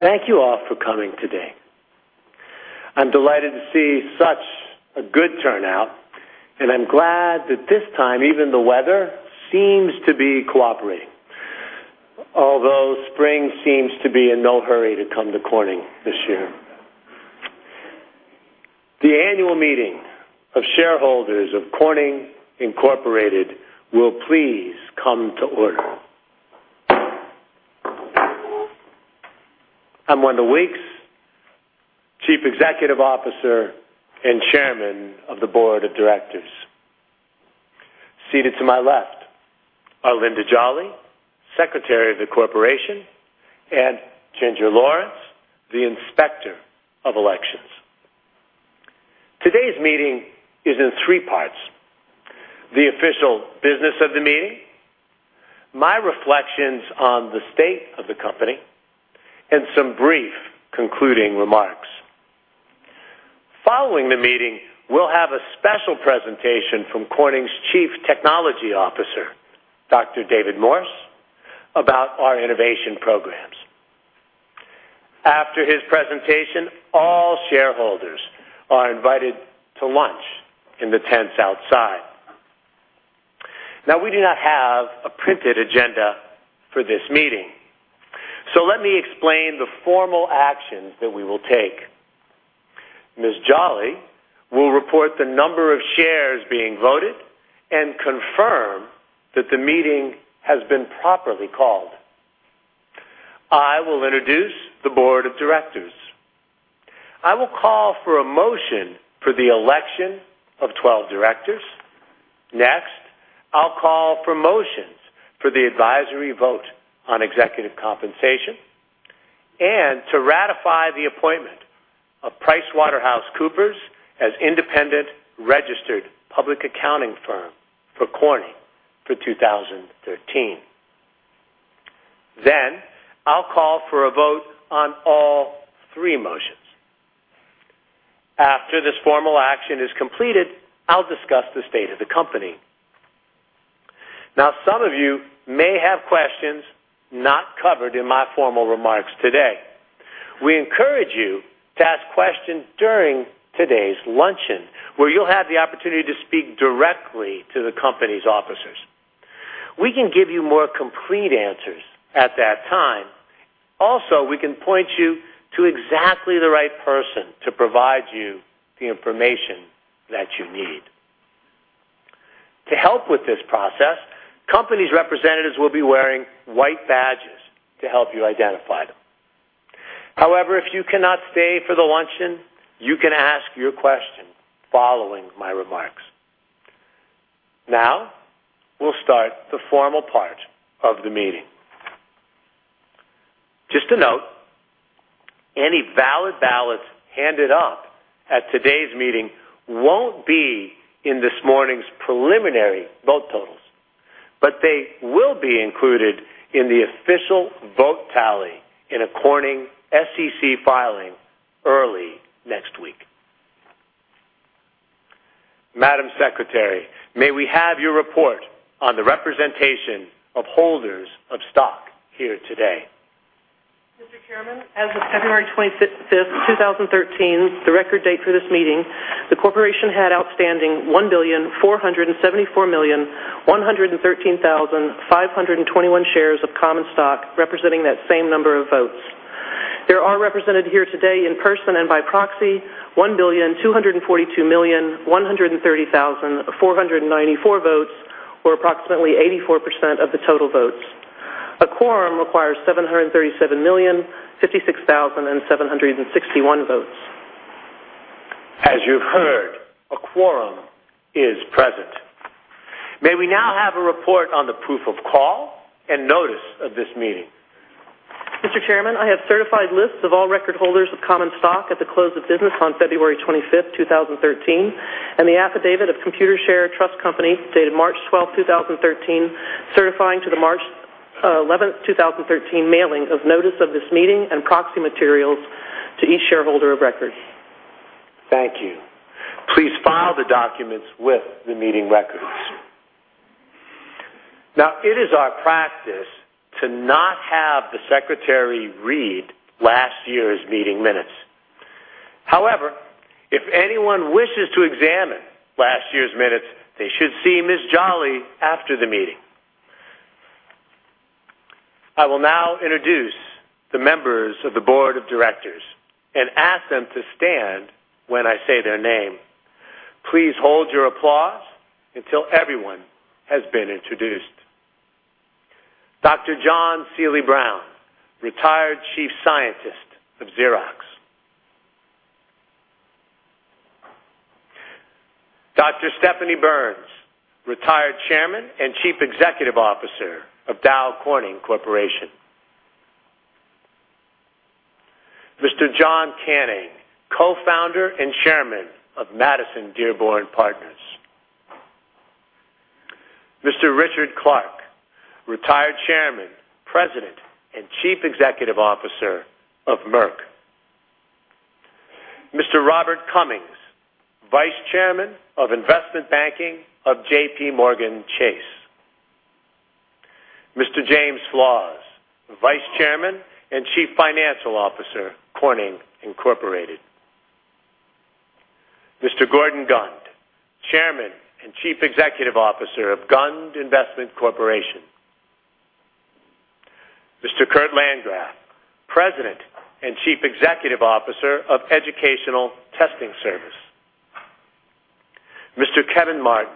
Thank you all for coming today. I'm delighted to see such a good turnout, and I'm glad that this time even the weather seems to be cooperating. Although spring seems to be in no hurry to come to Corning this year. The annual meeting of shareholders of Corning Incorporated will please come to order. I'm Wendell Weeks, Chief Executive Officer and Chairman of the Board of Directors. Seated to my left are Linda Jolly, Secretary of the Corporation, and Ginger Lawrence, the Inspector of Elections. Today's meeting is in three parts, the official business of the meeting, my reflections on the state of the company, and some brief concluding remarks. Following the meeting, we'll have a special presentation from Corning's Chief Technology Officer, Dr. David Morse, about our innovation programs. After his presentation, all shareholders are invited to lunch in the tents outside. We do not have a printed agenda for this meeting. Let me explain the formal actions that we will take. Ms. Jolly will report the number of shares being voted and confirm that the meeting has been properly called. I will introduce the board of directors. I will call for a motion for the election of 12 directors. I'll call for motions for the advisory vote on executive compensation and to ratify the appointment of PricewaterhouseCoopers as independent registered public accounting firm for Corning for 2013. I'll call for a vote on all three motions. After this formal action is completed, I'll discuss the state of the company. Some of you may have questions not covered in my formal remarks today. We encourage you to ask questions during today's luncheon, where you'll have the opportunity to speak directly to the company's officers. We can give you more complete answers at that time. We can point you to exactly the right person to provide you the information that you need. To help with this process, company's representatives will be wearing white badges to help you identify them. If you cannot stay for the luncheon, you can ask your question following my remarks. We'll start the formal part of the meeting. Just a note, any valid ballots handed up at today's meeting won't be in this morning's preliminary vote totals, but they will be included in the official vote tally in a Corning SEC filing early next week. Madam Secretary, may we have your report on the representation of holders of stock here today? Mr. Chairman, as of February 25th, 2013, the record date for this meeting, the corporation had outstanding 1,474,113,521 shares of common stock, representing that same number of votes. There are represented here today in person and by proxy 1,242,130,494 votes, or approximately 84% of the total votes. A quorum requires 737,056,761 votes. As you've heard, a quorum is present. May we now have a report on the proof of call and notice of this meeting? Mr. Chairman, I have certified lists of all record holders of common stock at the close of business on February 25th, 2013, and the affidavit of Computershare Trust Company, dated March 12th, 2013, certifying to the March 11th, 2013, mailing of notice of this meeting and proxy materials to each shareholder of record. Thank you. Please file the documents with the meeting records. It is our practice to not have the secretary read last year's meeting minutes. However, if anyone wishes to examine last year's minutes, they should see Ms. Jolly after the meeting. I will now introduce the members of the board of directors and ask them to stand when I say their name. Please hold your applause until everyone has been introduced. Dr. John Seely Brown, retired Chief Scientist of Xerox. Dr. Stephanie Burns, retired Chairman and Chief Executive Officer of Dow Corning Corporation. Mr. John Canning, co-founder and chairman of Madison Dearborn Partners. Mr. Richard Clark, retired Chairman, President, and Chief Executive Officer of Merck. Of Investment Banking of JPMorgan Chase. Mr. James Flaws, Vice Chairman and Chief Financial Officer, Corning Incorporated. Mr. Gordon Gund, Chairman and Chief Executive Officer of Gund Investment Corporation. Mr. Kurt Landgraf, President and Chief Executive Officer of Educational Testing Service. Mr. Kevin Martin,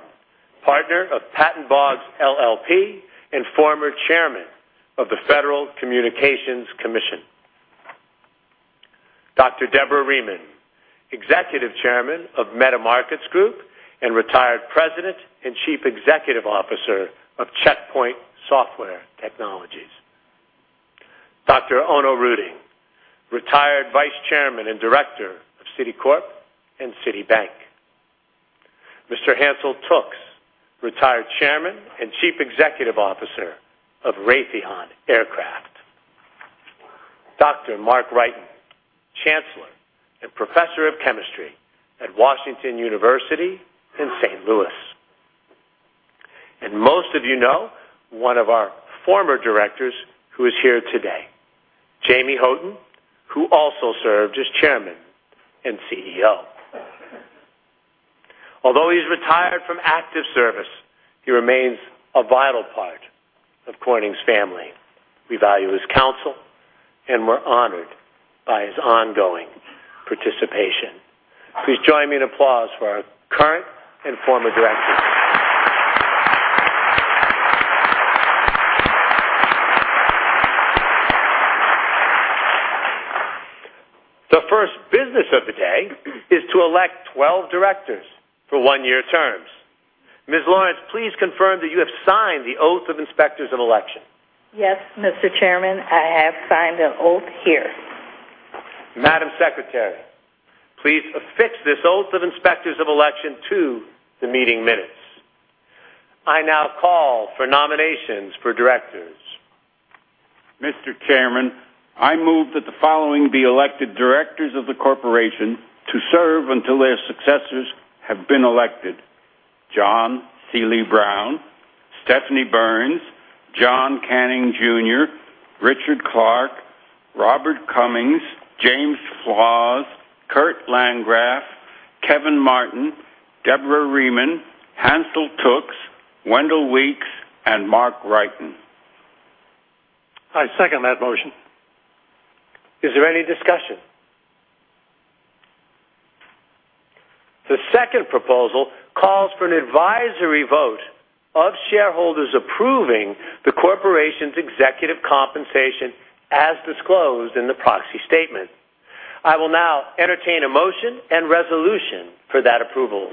partner of Patton Boggs LLP and former chairman of the Federal Communications Commission. Dr. Deborah Rieman, Executive Chairman of Metamarkets Group and retired President and Chief Executive Officer of Check Point Software Technologies. Dr. Onno Ruding, retired Vice Chairman and Director of Citicorp and Citibank. Mr. Hansel Tookes, retired Chairman and Chief Executive Officer of Raytheon Aircraft. Dr. Mark Wrighton, Chancellor and Professor of Chemistry at Washington University in St. Louis. Most of you know, one of our former directors who is here today, Jamie Houghton, who also served as chairman and CEO. Although he's retired from active service, he remains a vital part of Corning's family. We value his counsel, and we're honored by his ongoing participation. Please join me in applause for our current and former directors. The first business of the day is to elect 12 directors for one-year terms. Ms. Lawrence, please confirm that you have signed the Oath of Inspectors of Election. Yes, Mr. Chairman. I have signed an oath here. Madam Secretary, please affix this Oath of Inspectors of Election to the meeting minutes. I now call for nominations for directors. Mr. Chairman, I move that the following be elected directors of the corporation to serve until their successors have been elected: John Seely Brown, Stephanie Burns, John Canning Jr., Richard Clark, Robert Cummings, James Flaws, Kurt Landgraf, Kevin Martin, Deborah Rieman, Hansel Tookes, Wendell Weeks, and Mark Wrighton. I second that motion. Is there any discussion? The second proposal calls for an advisory vote of shareholders approving the corporation's executive compensation as disclosed in the proxy statement. I will now entertain a motion and resolution for that approval.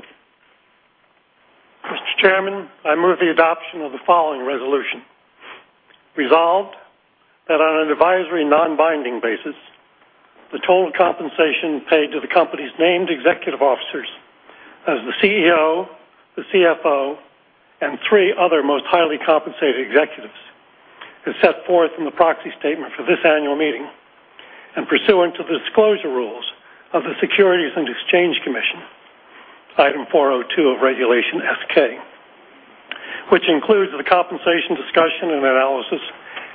Mr. Chairman, I move the adoption of the following resolution. Resolved that on an advisory non-binding basis, the total compensation paid to the company's named executive officers as the CEO, the CFO, and three other most highly compensated executives, as set forth in the proxy statement for this annual meeting and pursuant to the disclosure rules of the Securities and Exchange Commission, Item 402 of Regulation S-K, which includes the compensation discussion and analysis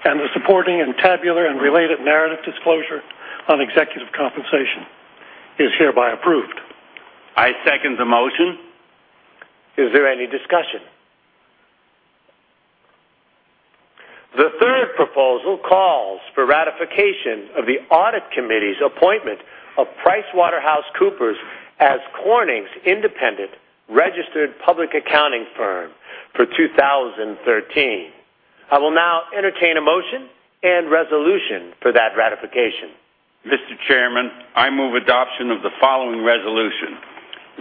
and the supporting and tabular and related narrative disclosure on executive compensation, is hereby approved. I second the motion. Is there any discussion? The third proposal calls for ratification of the audit committee's appointment of PricewaterhouseCoopers as Corning's independent registered public accounting firm for 2013. I will now entertain a motion and resolution for that ratification. Mr. Chairman, I move adoption of the following resolution.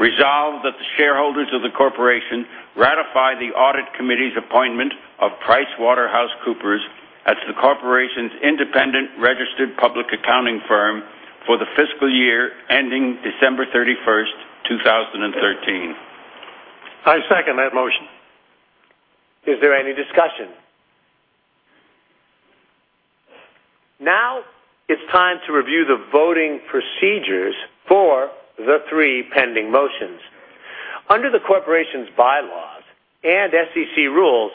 Resolve that the shareholders of the corporation ratify the audit committee's appointment of PricewaterhouseCoopers as the corporation's independent registered public accounting firm for the fiscal year ending December 31st, 2013. I second that motion. Is there any discussion? It's time to review the voting procedures for the three pending motions. Under the corporation's bylaws and SEC rules,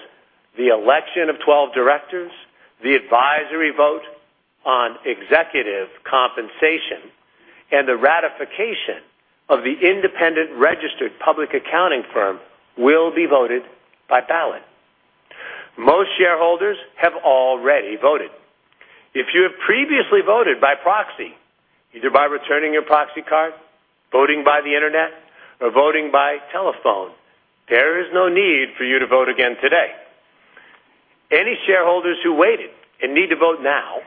the election of 12 directors, the advisory vote on executive compensation, and the ratification of the independent registered public accounting firm will be voted by ballot. Most shareholders have already voted. If you have previously voted by proxy, either by returning your proxy card, voting by the internet, or voting by telephone, there is no need for you to vote again today. Any shareholders who waited and need to vote now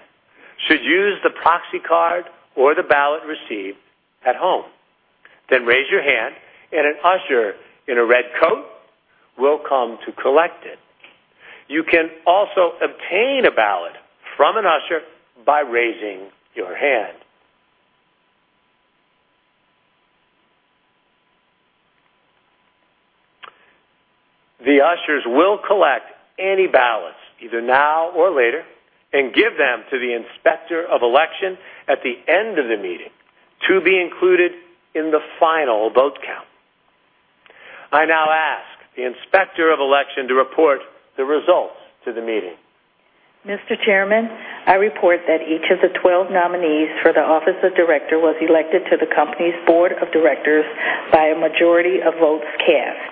should use the proxy card or the ballot received at home. Raise your hand and an usher in a red coat will come to collect it. You can also obtain a ballot from an usher by raising your hand. The ushers will collect any ballots, either now or later, and give them to the Inspector of Election at the end of the meeting to be included in the final vote count. I now ask the Inspector of Election to report the results to the meeting. Mr. Chairman, I report that each of the 12 nominees for the office of director was elected to the company's board of directors by a majority of votes cast.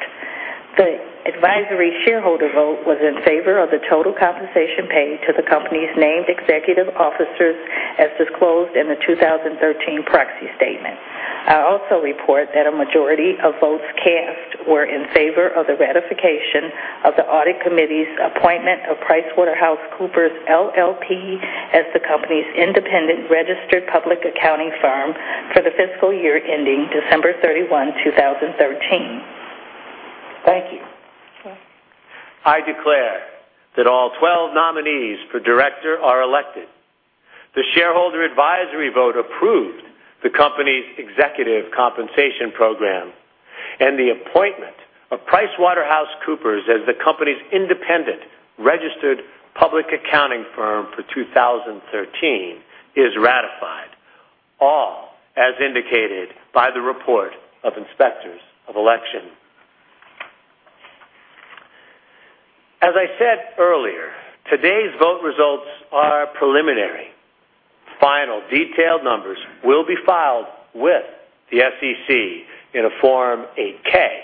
The advisory shareholder vote was in favor of the total compensation paid to the company's named executive officers as disclosed in the 2013 proxy statement. I also report that a majority of votes cast were in favor of the ratification of the audit committee's appointment of PricewaterhouseCoopers LLP as the company's independent registered public accounting firm for the fiscal year ending December 31, 2013. Thank you. I declare that all 12 nominees for director are elected. The shareholder advisory vote approved the company's executive compensation program, the appointment of PricewaterhouseCoopers as the company's independent registered public accounting firm for 2013 is ratified, all as indicated by the report of Inspectors of Election. As I said earlier, today's vote results are preliminary. Final detailed numbers will be filed with the SEC in a Form 8-K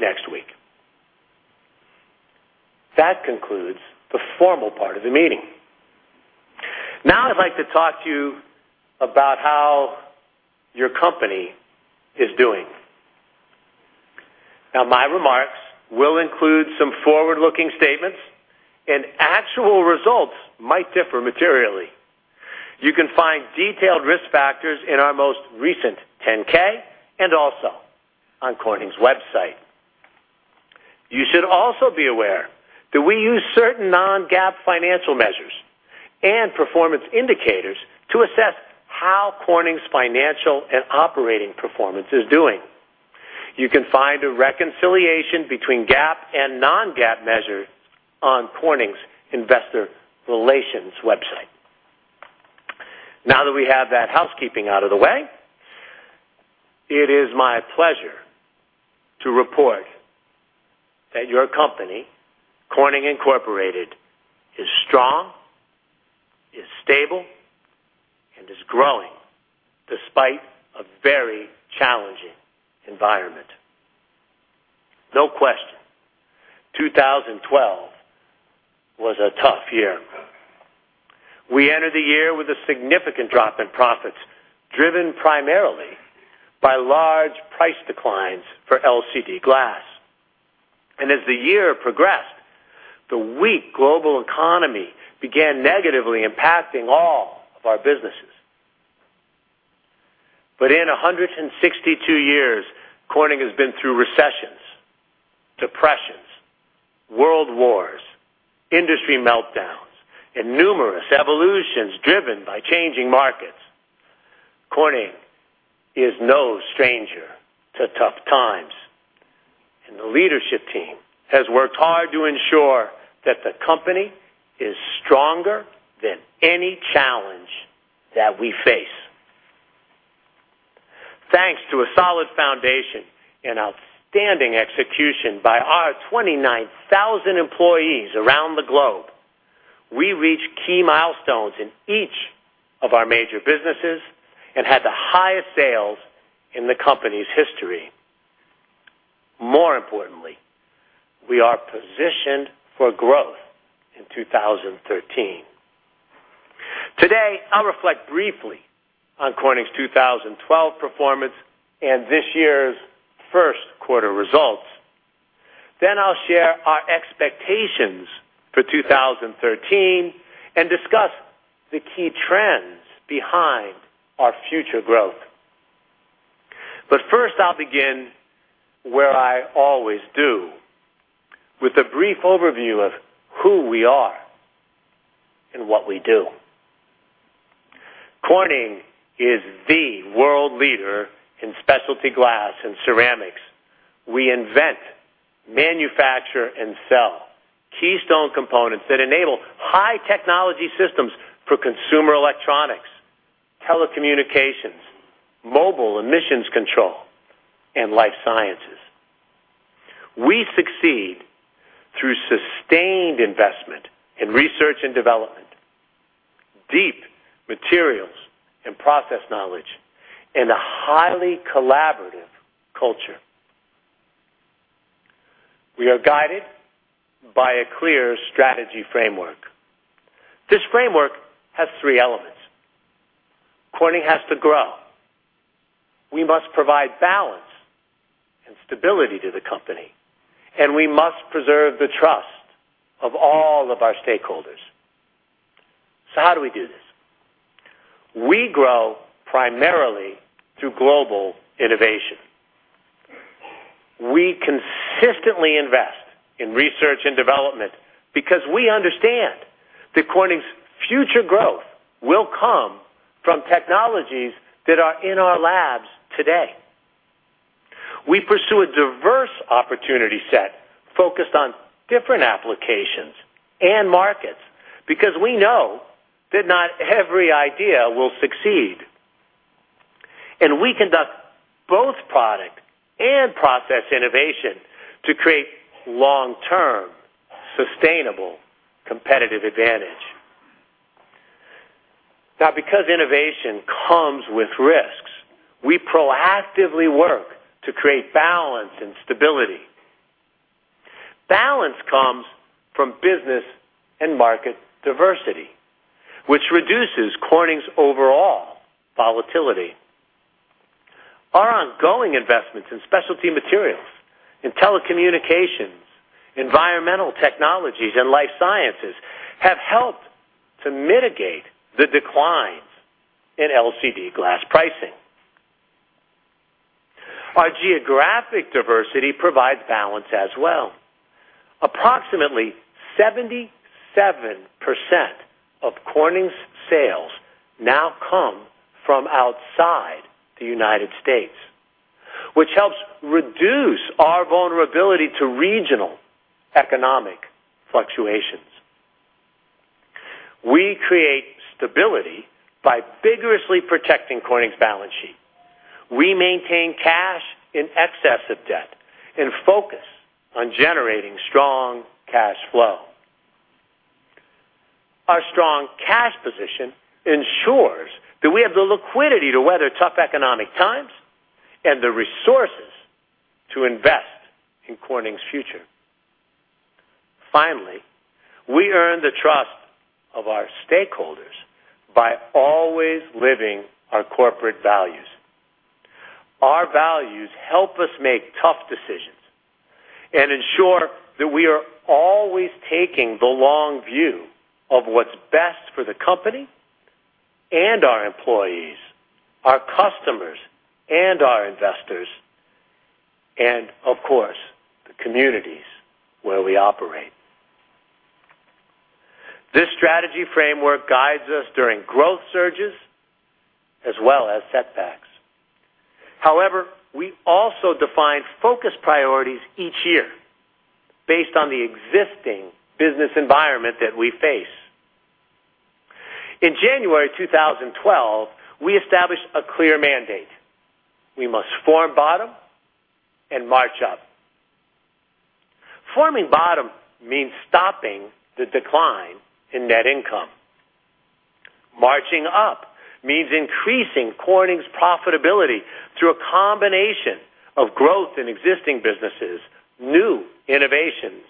next week. That concludes the formal part of the meeting. I'd like to talk to you about how your company is doing. My remarks will include some forward-looking statements, actual results might differ materially. You can find detailed risk factors in our most recent 10-K and also on Corning's website. You should also be aware that we use certain non-GAAP financial measures and performance indicators to assess how Corning's financial and operating performance is doing. You can find a reconciliation between GAAP and non-GAAP measures on Corning's investor relations website. That we have that housekeeping out of the way, it is my pleasure to report that your company, Corning Incorporated, is strong, is stable, and is growing despite a very challenging environment. No question, 2012 was a tough year. We entered the year with a significant drop in profits, driven primarily by large price declines for LCD glass. As the year progressed, the weak global economy began negatively impacting all of our businesses. In 162 years, Corning has been through recessions, depressions, world wars, industry meltdowns, and numerous evolutions driven by changing markets. Corning is no stranger to tough times, the leadership team has worked hard to ensure that the company is stronger than any challenge that we face. Thanks to a solid foundation and outstanding execution by our 29,000 employees around the globe, we reached key milestones in each of our major businesses and had the highest sales in the company's history. More importantly, we are positioned for growth in 2013. Today, I'll reflect briefly on Corning's 2012 performance and this year's first quarter results. I'll share our expectations for 2013 and discuss the key trends behind our future growth. First, I'll begin where I always do, with a brief overview of who we are and what we do. Corning is the world leader in specialty glass and ceramics. We invent, manufacture, and sell keystone components that enable high technology systems for consumer electronics, telecommunications, mobile emissions control, and life sciences. We succeed through sustained investment in research and development, deep materials and process knowledge, and a highly collaborative culture. We are guided by a clear strategy framework. This framework has three elements. Corning has to grow. We must provide balance and stability to the company, and we must preserve the trust of all of our stakeholders. How do we do this? We grow primarily through global innovation. We consistently invest in research and development because we understand that Corning's future growth will come from technologies that are in our labs today. We pursue a diverse opportunity set focused on different applications and markets because we know that not every idea will succeed. We conduct both product and process innovation to create long-term, sustainable competitive advantage. Now, because innovation comes with risks, we proactively work to create balance and stability. Balance comes from business and market diversity, which reduces Corning's overall volatility. Our ongoing investments in specialty materials, in telecommunications, environmental technologies, and life sciences have helped to mitigate the declines in LCD glass pricing. Our geographic diversity provides balance as well. Approximately 77% of Corning's sales now come from outside the United States, which helps reduce our vulnerability to regional economic fluctuations. We create stability by vigorously protecting Corning's balance sheet. We maintain cash in excess of debt and focus on generating strong cash flow. Our strong cash position ensures that we have the liquidity to weather tough economic times and the resources to invest in Corning's future. Finally, we earn the trust of our stakeholders by always living our corporate values. Our values help us make tough decisions and ensure that we are always taking the long view of what's best for the company and our employees, our customers and our investors, and of course, the communities where we operate. This strategy framework guides us during growth surges as well as setbacks. However, we also define focus priorities each year based on the existing business environment that we face. In January 2012, we established a clear mandate. We must form bottom and march up. Forming bottom means stopping the decline in net income. Marching up means increasing Corning's profitability through a combination of growth in existing businesses, new innovations,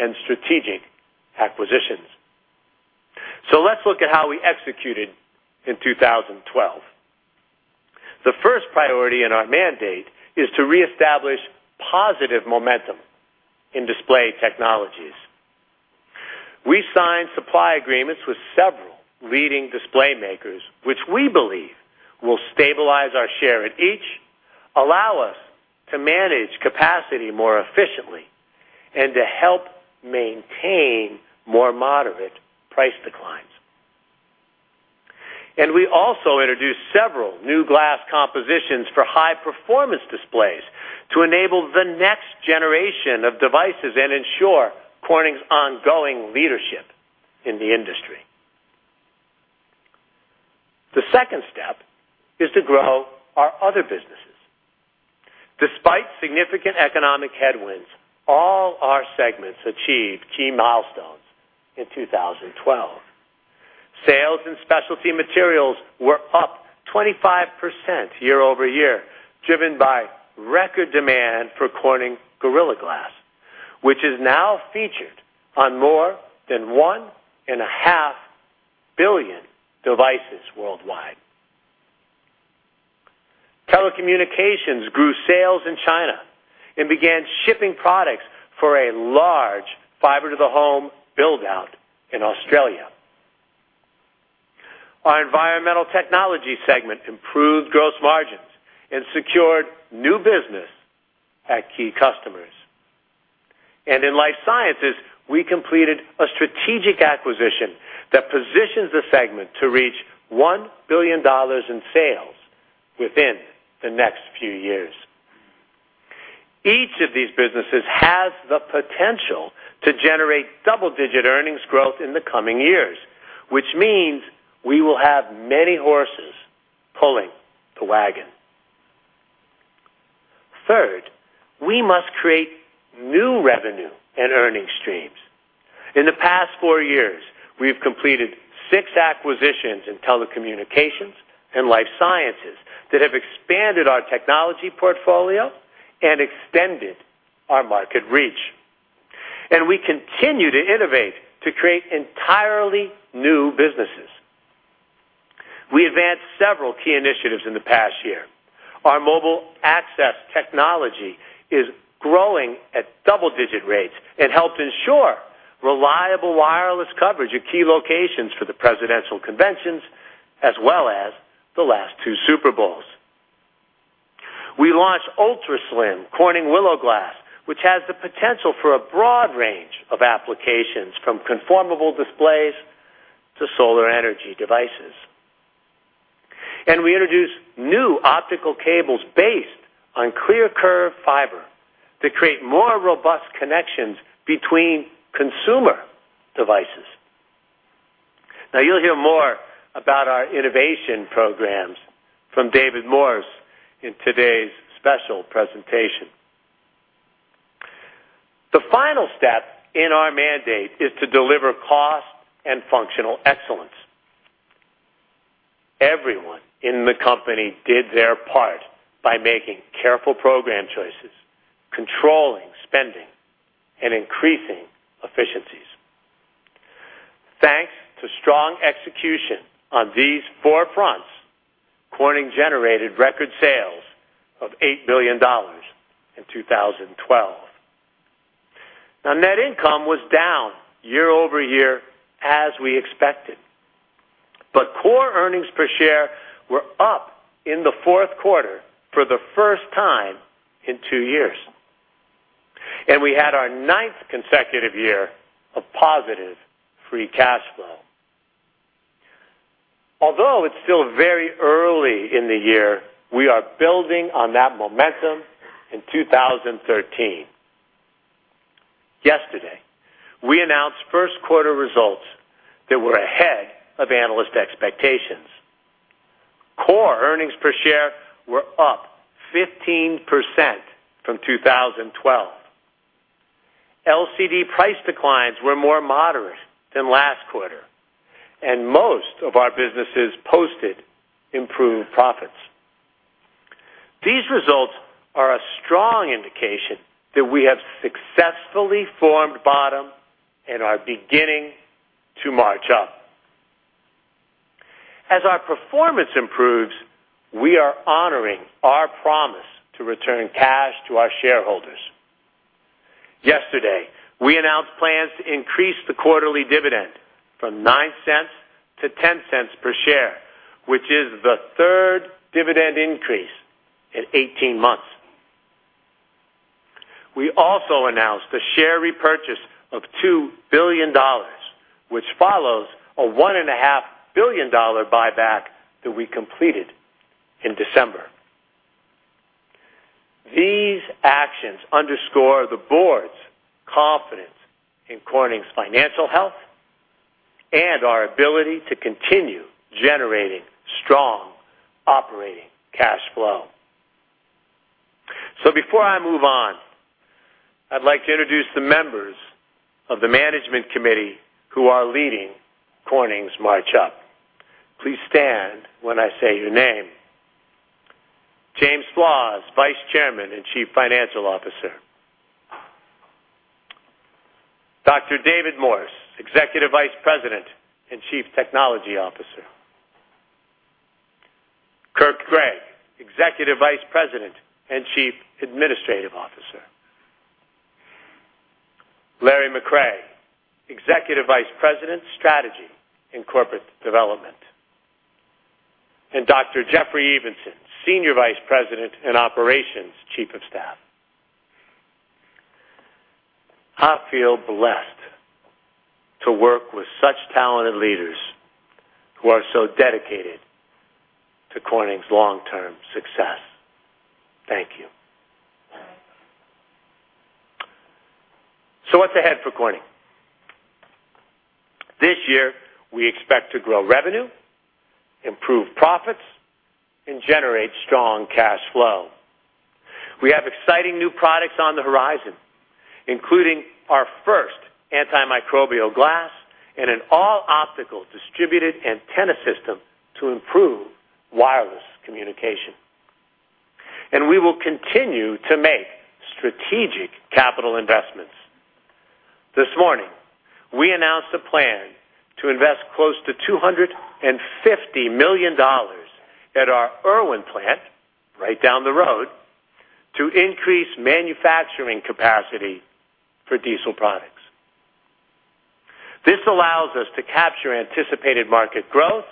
and strategic acquisitions. Let's look at how we executed in 2012. The first priority in our mandate is to reestablish positive momentum in Display Technologies. We signed supply agreements with several leading display makers, which we believe will stabilize our share at each, allow us to manage capacity more efficiently, and to help maintain more moderate price declines. We also introduced several new glass compositions for high-performance displays to enable the next generation of devices and ensure Corning's ongoing leadership in the industry. The second step is to grow our other businesses. Despite significant economic headwinds, all our segments achieved key milestones in 2012. Sales in specialty materials were up 25% year-over-year, driven by record demand for Corning Gorilla Glass, which is now featured on more than one and a half billion devices worldwide. Telecommunications grew sales in China and began shipping products for a large fiber-to-the-home build-out in Australia. Our environmental technology segment improved gross margins and secured new business at key customers. In life sciences, we completed a strategic acquisition that positions the segment to reach $1 billion in sales within the next few years. Each of these businesses has the potential to generate double-digit earnings growth in the coming years, which means we will have many horses pulling the wagon. Third, we must create new revenue and earning streams. In the past four years, we've completed six acquisitions in telecommunications and life sciences that have expanded our technology portfolio and extended our market reach. We continue to innovate to create entirely new businesses. We advanced several key initiatives in the past year. Our mobile access technology is growing at double-digit rates and helped ensure reliable wireless coverage at key locations for the presidential conventions, as well as Willow Glass, which has the potential for a broad range of applications, from conformable displays to solar energy devices. We introduced new optical cables based on ClearCurve fiber to create more robust connections between consumer devices. You'll hear more about our innovation programs from David Morse in today's special presentation. The final step in our mandate is to deliver cost and functional excellence. Everyone in the company did their part by making careful program choices, controlling spending, and increasing efficiencies. Thanks to strong execution on these four fronts, Corning generated record sales of $8 billion in 2012. Net income was down year-over-year as we expected. Core earnings per share were up in the fourth quarter for the first time in two years. We had our ninth consecutive year of positive free cash flow. Although it's still very early in the year, we are building on that momentum in 2013. Yesterday, we announced first quarter results that were ahead of analyst expectations. Core earnings per share were up 15% from 2012. LCD price declines were more moderate than last quarter. Most of our businesses posted improved profits. These results are a strong indication that we have successfully formed bottom and are beginning to march up. As our performance improves, we are honoring our promise to return cash to our shareholders. Yesterday, we announced plans to increase the quarterly dividend from $0.09 to $0.10 per share, which is the third dividend increase in 18 months. We also announced a share repurchase of $2 billion, which follows a $1.5 billion buyback that we completed in December. These actions underscore the board's confidence in Corning's financial health and our ability to continue generating strong operating cash flow. Before I move on, I'd like to introduce the members of the management committee who are leading Corning's march up. Please stand when I say your name. James Flaws, Vice Chairman and Chief Financial Officer. David Morse, Executive Vice President and Chief Technology Officer. Kirk Gregg, Executive Vice President and Chief Administrative Officer. Larry McRae, Executive Vice President, Strategy and Corporate Development. And Jeffrey Evenson, Senior Vice President and Operations Chief of Staff. I feel blessed to work with such talented leaders who are so dedicated to Corning's long-term success. Thank you. What's ahead for Corning? This year, we expect to grow revenue, improve profits, and generate strong cash flow. We have exciting new products on the horizon, including our first antimicrobial glass and an all-optical distributed antenna system to improve wireless communication. We will continue to make strategic capital investments. This morning, we announced a plan to invest close to $250 million at our Erwin plant, right down the road, to increase manufacturing capacity for diesel products. This allows us to capture anticipated market growth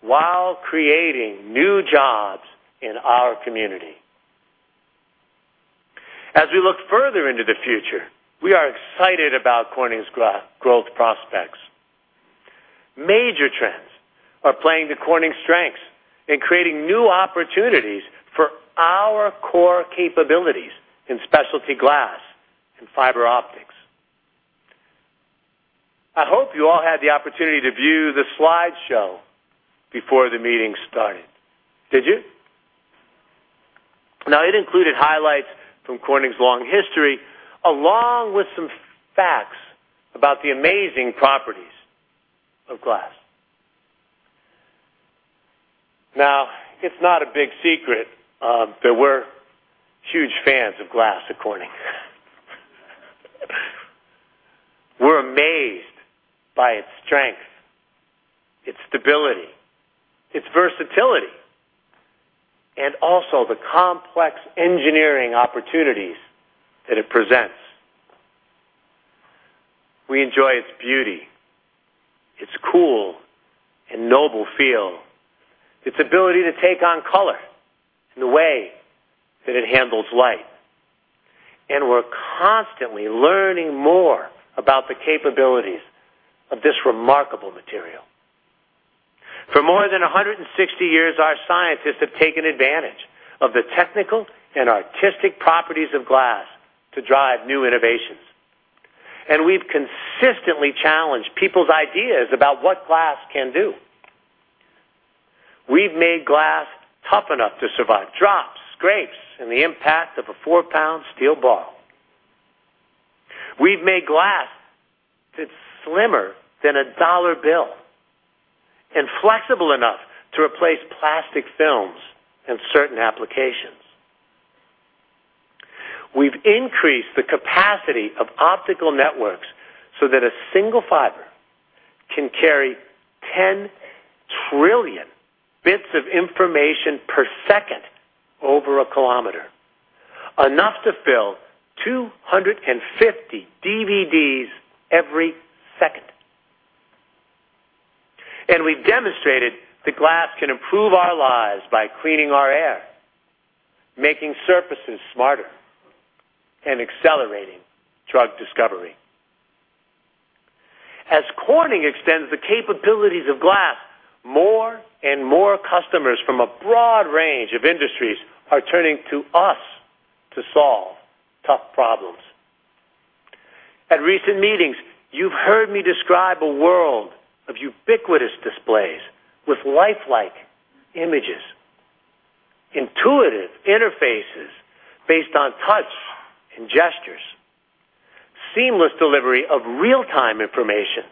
while creating new jobs in our community. As we look further into the future, we are excited about Corning's growth prospects. Major trends are playing to Corning's strengths in creating new opportunities for our core capabilities in specialty glass and fiber optics. I hope you all had the opportunity to view the slideshow before the meeting started. Did you? It included highlights from Corning's long history, along with some facts about the amazing properties of glass. It's not a big secret that we're huge fans of glass at Corning. We're amazed by its strength, its stability, its versatility, and also the complex engineering opportunities that it presents. We enjoy its beauty. Take on color in the way that it handles light. We're constantly learning more about the capabilities of this remarkable material. For more than 160 years, our scientists have taken advantage of the technical and artistic properties of glass to drive new innovations. We've consistently challenged people's ideas about what glass can do. We've made glass tough enough to survive drops, scrapes, and the impact of a four-pound steel ball. We've made glass that's slimmer than a dollar bill and flexible enough to replace plastic films in certain applications. We've increased the capacity of optical networks so that a single fiber can carry 10 trillion bits of information per second over a kilometer, enough to fill 250 DVDs every second. We've demonstrated that glass can improve our lives by cleaning our air, making surfaces smarter, and accelerating drug discovery. As Corning extends the capabilities of glass, more and more customers from a broad range of industries are turning to us to solve tough problems. At recent meetings, you've heard me describe a world of ubiquitous displays with lifelike images, intuitive interfaces based on touch and gestures, seamless delivery of real-time information,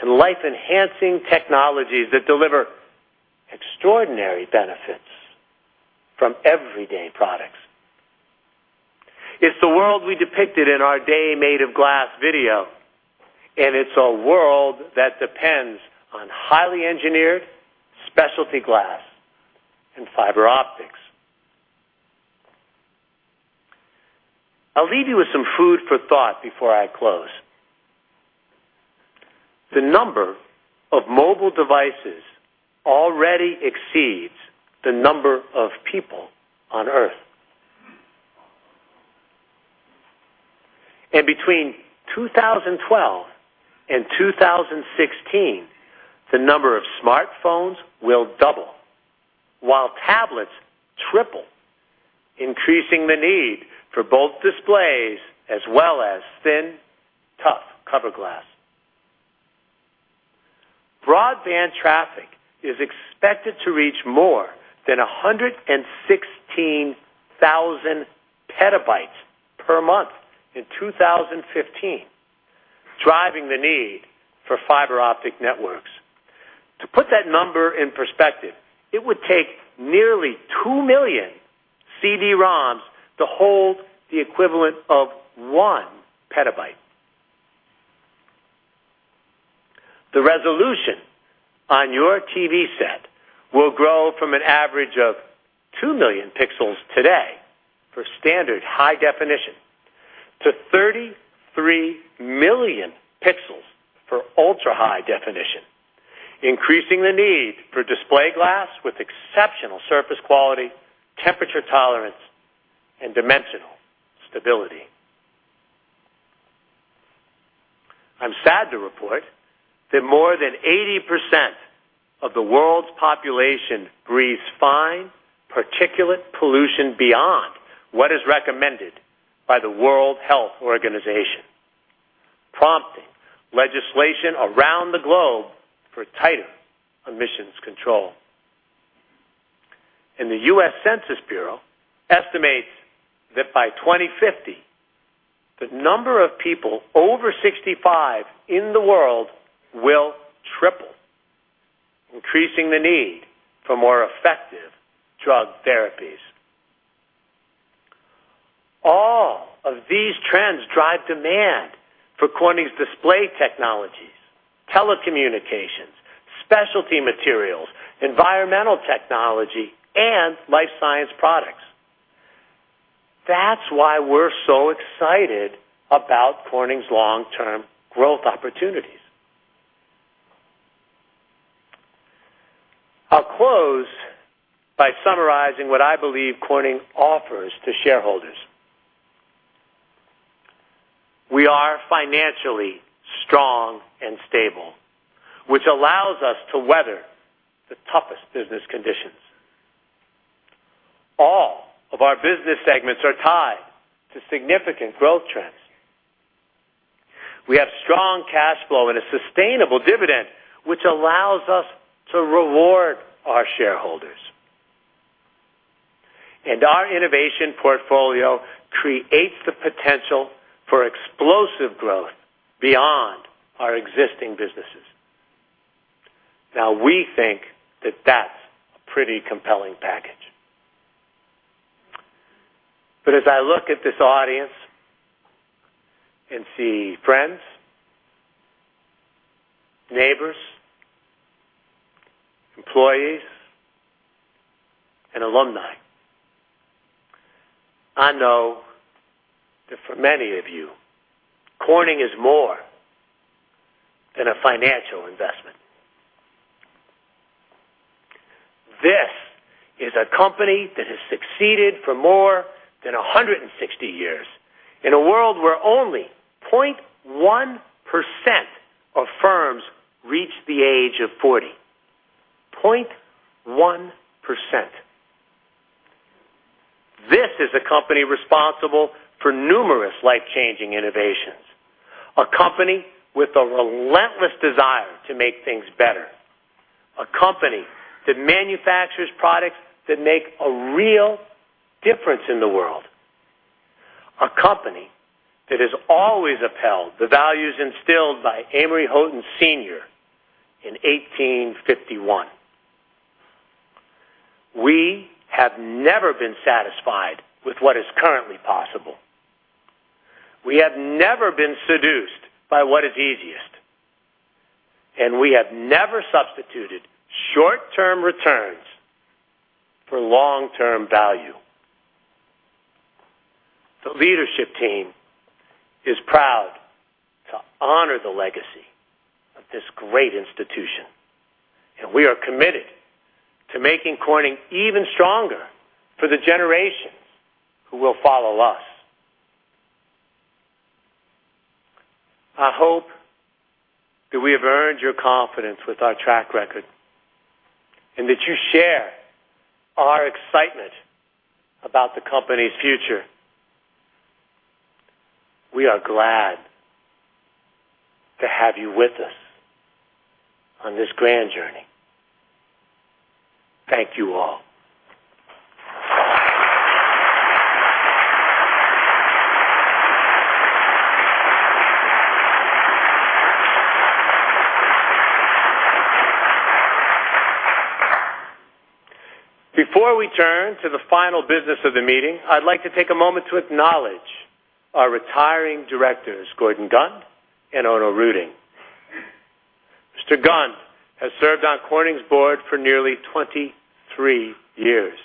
and life-enhancing technologies that deliver extraordinary benefits from everyday products. It's the world we depicted in our "A Day Made of Glass" video, and it's a world that depends on highly engineered specialty glass and fiber optics. I'll leave you with some food for thought before I close. The number of mobile devices already exceeds the number of people on Earth. Between 2012 and 2016, the number of smartphones will double, while tablets triple, increasing the need for both displays as well as thin, tough cover glass. Broadband traffic is expected to reach more than 116,000 petabytes per month in 2015, driving the need for fiber optic networks. To put that number in perspective, it would take nearly 2 million CD-ROMs to hold the equivalent of 1 petabyte. The resolution on your TV set will grow from an average of 2 million pixels today for standard high definition to 33 million pixels for ultra-high definition, increasing the need for display glass with exceptional surface quality, temperature tolerance, and dimensional stability. I'm sad to report that more than 80% of the world's population breathes fine particulate pollution beyond what is recommended by the World Health Organization, prompting legislation around the globe for tighter emissions control. The U.S. Census Bureau estimates that by 2050, the number of people over 65 in the world will triple, increasing the need for more effective drug therapies. All of these trends drive demand for Corning's display technologies, telecommunications, specialty materials, environmental technology, and life science products. That's why we're so excited about Corning's long-term growth opportunities. I'll close by summarizing what I believe Corning offers to shareholders. We are financially strong and stable, which allows us to weather the toughest business conditions. All of our business segments are tied to significant growth trends. We have strong cash flow and a sustainable dividend, which allows us to reward our shareholders. Our innovation portfolio creates the potential for explosive growth beyond our existing businesses. We think that that's a pretty compelling package. As I look at this audience and see friends, neighbors, employees, and alumni I know that for many of you, Corning is more than a financial investment. This is a company that has succeeded for more than 160 years in a world where only 0.1% of firms reach the age of 40. 0.1%. This is a company responsible for numerous life-changing innovations, a company with a relentless desire to make things better, a company that manufactures products that make a real difference in the world, a company that has always upheld the values instilled by Amory Houghton Sr. in 1851. We have never been satisfied with what is currently possible. We have never been seduced by what is easiest, we have never substituted short-term returns for long-term value. The leadership team is proud to honor the legacy of this great institution, we are committed to making Corning even stronger for the generations who will follow us. I hope that we have earned your confidence with our track record, that you share our excitement about the company's future. We are glad to have you with us on this grand journey. Thank you all. Before we turn to the final business of the meeting, I'd like to take a moment to acknowledge our retiring directors, Gordon Gund and Onno Ruding. Mr. Gund has served on Corning's board for nearly 23 years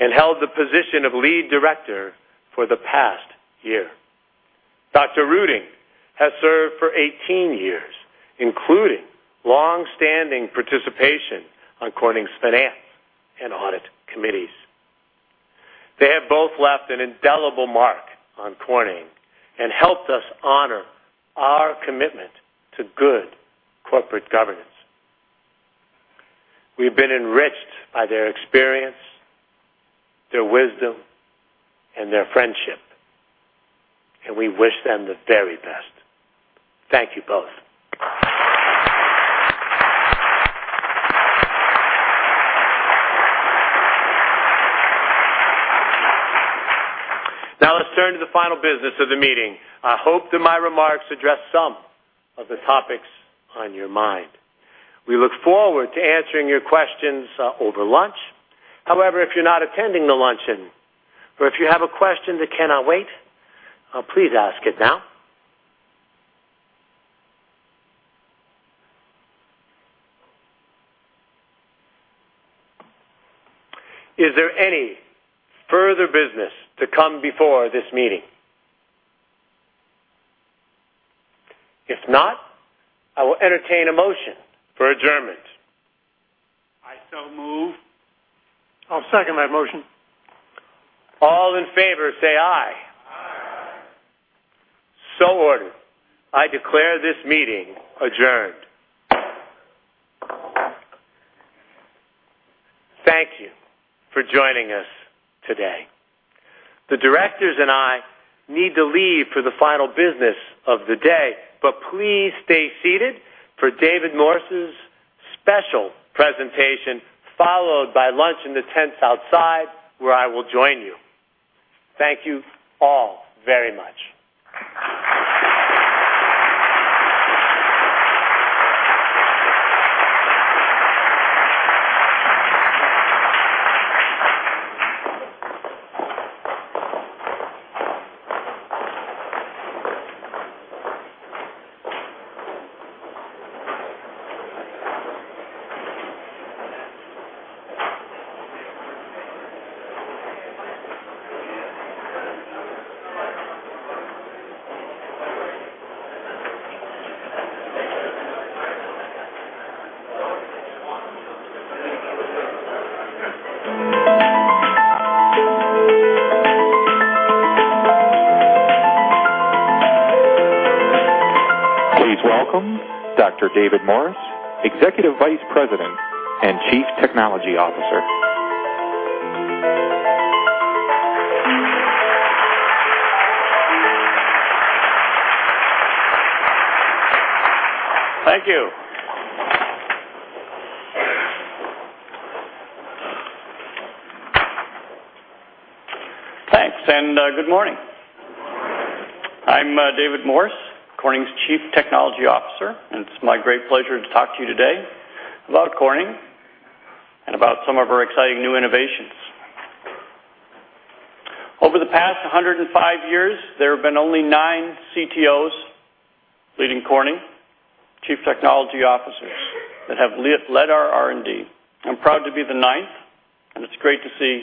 and held the position of lead director for the past year. Dr. Ruding has served for 18 years, including longstanding participation on Corning's finance and audit committees. They have both left an indelible mark on Corning helped us honor our commitment to good corporate governance. We've been enriched by their experience, their wisdom, their friendship, we wish them the very best. Thank you both. Let's turn to the final business of the meeting. I hope that my remarks address some of the topics on your mind. We look forward to answering your questions over lunch. If you're not attending the luncheon, or if you have a question that cannot wait, please ask it now. Is there any further business to come before this meeting? If not, I will entertain a motion for adjournment. I so move. I'll second that motion. All in favor, say aye. Aye. Ordered. I declare this meeting adjourned. Thank you for joining us today. The directors and I need to leave for the final business of the day, but please stay seated for David Morse's special presentation, followed by lunch in the tents outside, where I will join you. Thank you all very much. Please welcome Dr. David Morse, Executive Vice President and Chief Technology Officer. Thank you. Thanks, and good morning. Good morning. I'm David Morse, Corning's Chief Technology Officer, and it's my great pleasure to talk to you today about Corning and about some of our exciting new innovations. Over the past 105 years, there have been only nine CTOs leading Corning, Chief Technology Officers that have led our R&D. I'm proud to be the ninth, and it's great to see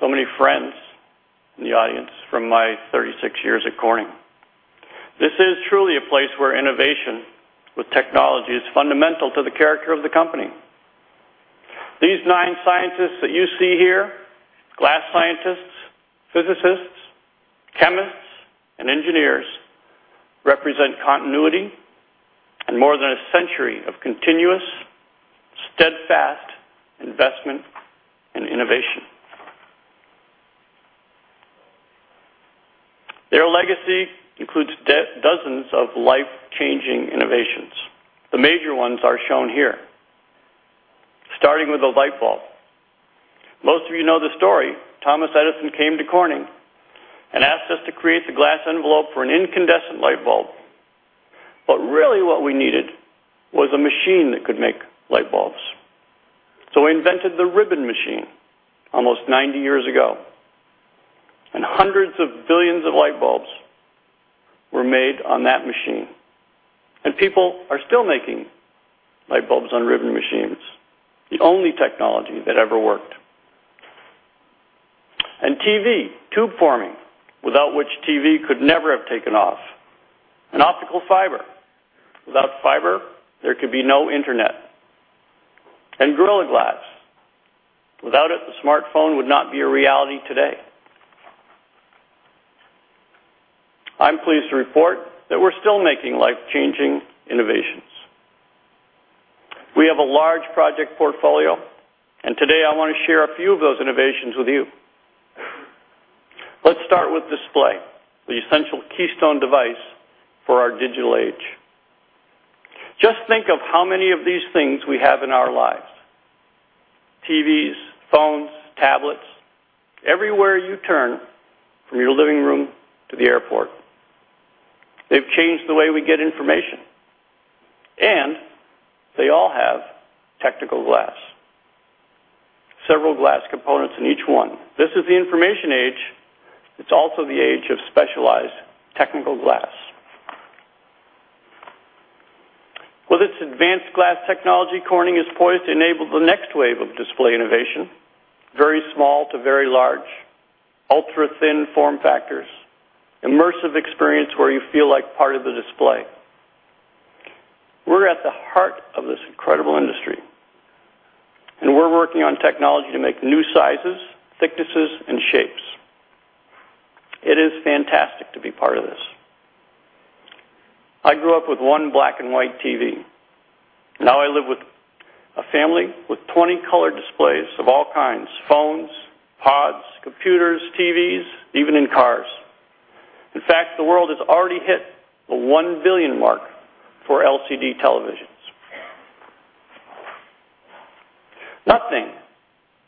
so many friends in the audience from my 36 years at Corning. This is truly a place where innovation with technology is fundamental to the character of the company. These nine scientists that you see here, glass scientists, physicists, chemists, and engineers, represent continuity and more than a century of continuous, steadfast investment and innovation. Their legacy includes dozens of life-changing innovations. The major ones are shown here, starting with the light bulb. Most of you know the story. Thomas Edison came to Corning and asked us to create the glass envelope for an incandescent light bulb. Really what we needed was a machine that could make light bulbs. We invented the ribbon machine almost 90 years ago, and hundreds of billions of light bulbs were made on that machine. People are still making light bulbs on ribbon machines, the only technology that ever worked. TV, tube forming, without which TV could never have taken off. Optical fiber. Without fiber, there could be no internet. Gorilla Glass. Without it, the smartphone would not be a reality today. I'm pleased to report that we're still making life-changing innovations. We have a large project portfolio, and today I want to share a few of those innovations with you. Let's start with display, the essential keystone device for our digital age. Just think of how many of these things we have in our lives. TVs, phones, tablets. Everywhere you turn, from your living room to the airport. They've changed the way we get information, and they all have technical glass. Several glass components in each one. This is the information age. It's also the age of specialized technical glass. With its advanced glass technology, Corning is poised to enable the next wave of display innovation, very small to very large, ultra-thin form factors, immersive experience where you feel like part of the display. We're at the heart of this incredible industry, and we're working on technology to make new sizes, thicknesses, and shapes. It is fantastic to be part of this. I grew up with one black and white TV. Now I live with a family with 20 color displays of all kinds: phones, pods, computers, TVs, even in cars. In fact, the world has already hit the one billion mark for LCD televisions. Nothing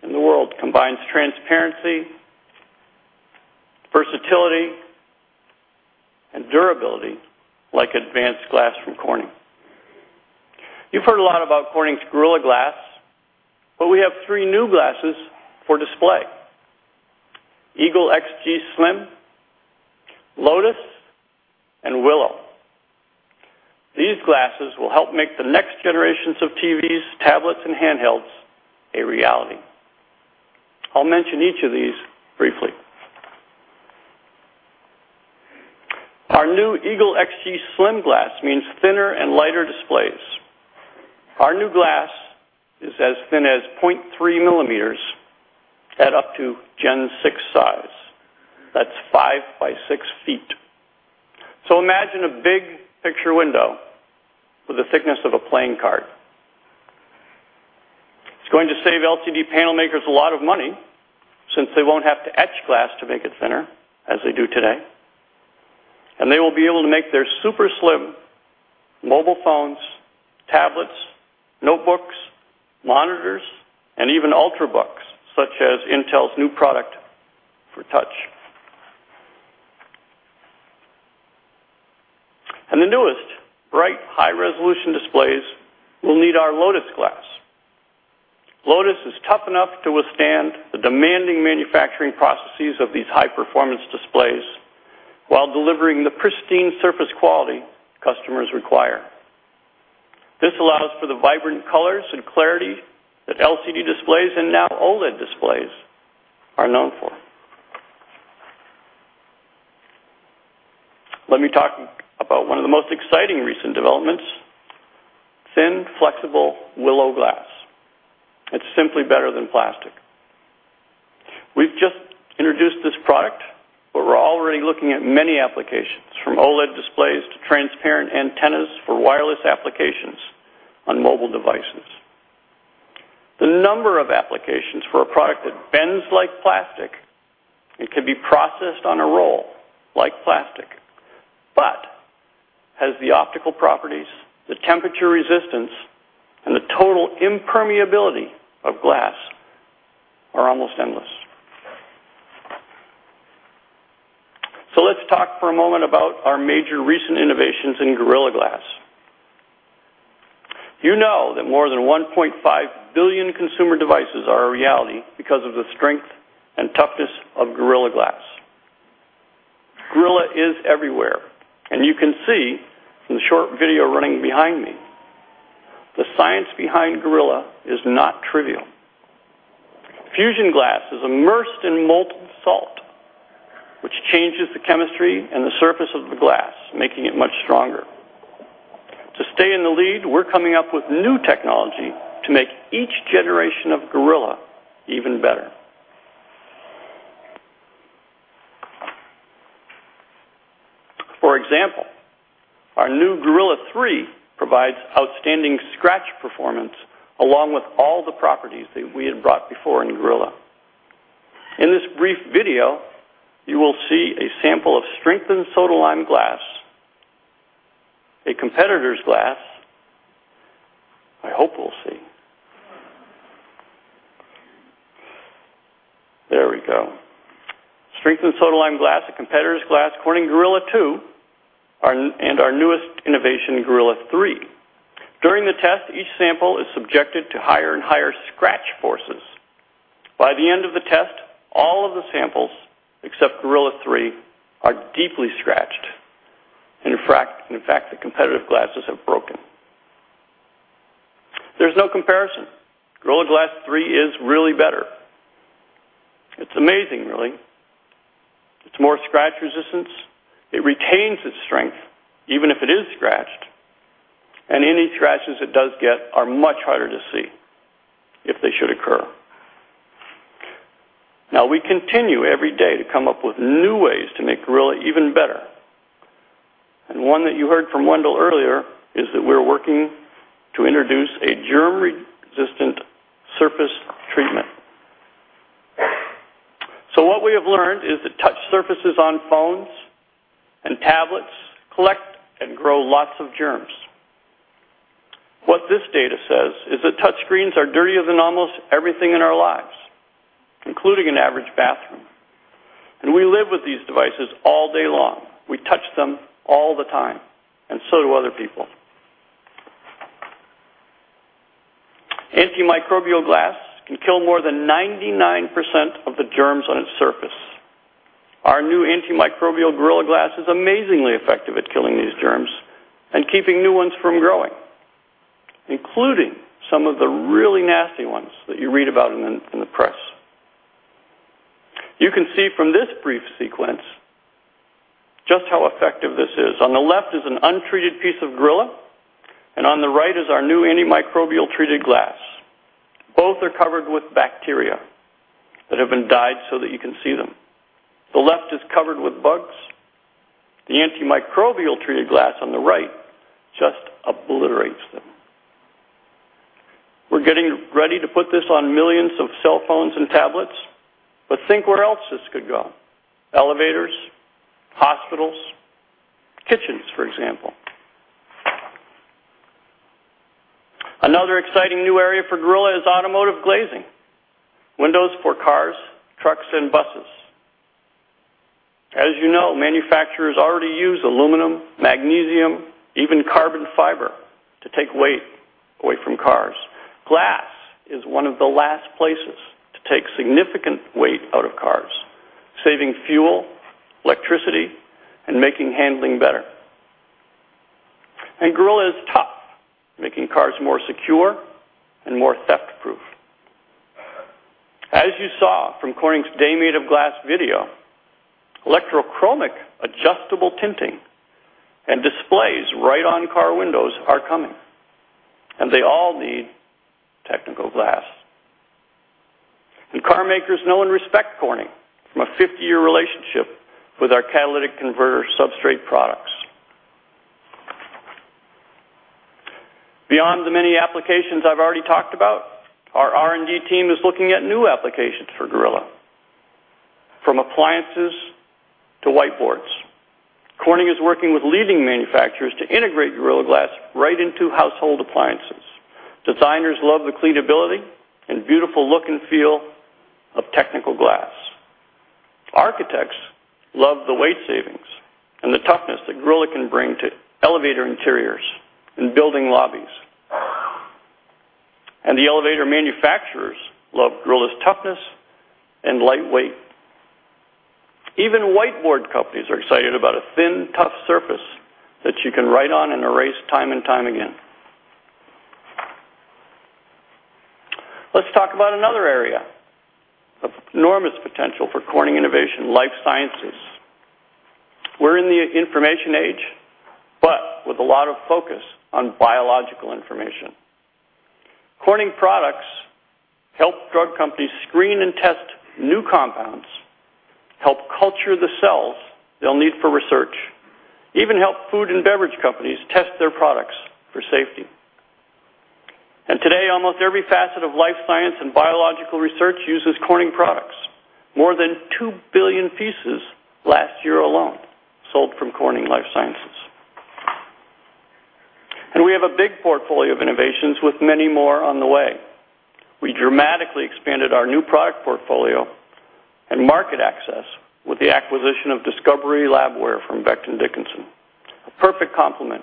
in the world combines transparency, versatility, and durability like advanced glass from Corning. You've heard a lot about Corning's Gorilla Glass, we have three new glasses for display. EAGLE XG Slim, Lotus, and Willow. These glasses will help make the next generations of TVs, tablets, and handhelds a reality. I'll mention each of these briefly. Our new EAGLE XG Slim glass means thinner and lighter displays. Our new glass is as thin as 0.3 millimeters at up to Gen 6 size. That's five by six feet. Imagine a big picture window with the thickness of a playing card. It's going to save LCD panel makers a lot of money since they won't have to etch glass to make it thinner as they do today. They will be able to make their super slim mobile phones, tablets, notebooks, monitors, and even ultrabooks such as Intel's new product for touch. The newest bright, high-resolution displays will need our Lotus Glass. Lotus is tough enough to withstand the demanding manufacturing processes of these high-performance displays while delivering the pristine surface quality customers require. This allows for the vibrant colors and clarity that LCD displays and now OLED displays are known for. Let me talk about one of the most exciting recent developments, thin, flexible Willow Glass. It's simply better than plastic. We've just introduced this product, but we're already looking at many applications, from OLED displays to transparent antennas for wireless applications on mobile devices. The number of applications for a product that bends like plastic and can be processed on a roll like plastic, but has the optical properties, the temperature resistance, and the total impermeability of glass are almost endless. Let's talk for a moment about our major recent innovations in Gorilla Glass. You know that more than 1.5 billion consumer devices are a reality because of the strength and toughness of Gorilla Glass. Gorilla is everywhere, and you can see from the short video running behind me. The science behind Gorilla is not trivial. fusion glass is immersed in molten salt, which changes the chemistry and the surface of the glass, making it much stronger. To stay in the lead, we're coming up with new technology to make each generation of Gorilla even better. For example, our new Gorilla 3 provides outstanding scratch performance along with all the properties that we had brought before in Gorilla. In this brief video, you will see a sample of strengthened soda-lime glass, a competitor's glass, I hope we'll see. There we go. Strengthened soda-lime glass, a competitor's glass, Corning Gorilla 2, and our newest innovation, Gorilla 3. During the test, each sample is subjected to higher and higher scratch forces. By the end of the test, all of the samples, except Gorilla 3, are deeply scratched. In fact, the competitive glasses have broken. There's no comparison. Gorilla Glass 3 is really better. It's amazing really. It's more scratch resistance. It retains its strength, even if it is scratched, and any scratches it does get are much harder to see if they should occur. Now, we continue every day to come up with new ways to make Gorilla even better. One that you heard from Wendell earlier is that we're working to introduce a germ-resistant surface treatment. What we have learned is that touch surfaces on phones and tablets collect and grow lots of germs. What this data says is that touch screens are dirtier than almost everything in our lives, including an average bathroom. We live with these devices all day long. We touch them all the time, and so do other people. Antimicrobial glass can kill more than 99% of the germs on its surface. Our new antimicrobial Gorilla Glass is amazingly effective at killing these germs and keeping new ones from growing, including some of the really nasty ones that you read about in the press. You can see from this brief sequence just how effective this is. On the left is an untreated piece of Gorilla, on the right is our new antimicrobial treated glass. Both are covered with bacteria that have been dyed so that you can see them. The left is covered with bugs. The antimicrobial treated glass on the right just obliterates them. We're getting ready to put this on millions of cell phones and tablets, but think where else this could go. Elevators, hospitals, kitchens, for example. Another exciting new area for Gorilla is automotive glazing. Windows for cars, trucks, and buses. As you know, manufacturers already use aluminum, magnesium, even carbon fiber to take weight away from cars. Glass is one of the last places to take significant weight out of cars, saving fuel, electricity, and making handling better. Gorilla is tough, making cars more secure and more theft-proof. As you saw from Corning's A Day Made of Glass video, electrochromic, adjustable tinting and displays right on car windows are coming. They all need technical glass. Car makers know and respect Corning from a 50-year relationship with our catalytic converter substrate products. Beyond the many applications I've already talked about, our R&D team is looking at new applications for Gorilla, from appliances to whiteboards. Corning is working with leading manufacturers to integrate Gorilla Glass right into household appliances. Designers love the cleanability and beautiful look and feel of technical glass. Architects love the weight savings and the toughness that Gorilla can bring to elevator interiors and building lobbies. The elevator manufacturers love Gorilla's toughness and light weight. Even whiteboard companies are excited about a thin, tough surface that you can write on and erase time and time again. Let's talk about another area of enormous potential for Corning innovation, life sciences. We're in the information age, but with a lot of focus on biological information. Corning products help drug companies screen and test new compounds, help culture the cells they'll need for research. Even help food and beverage companies test their products for safety. Today, almost every facet of life science and biological research uses Corning products. More than 2 billion pieces last year alone sold from Corning Life Sciences. We have a big portfolio of innovations with many more on the way. Dramatically expanded our new product portfolio and market access with the acquisition of Discovery Labware from Becton, Dickinson, a perfect complement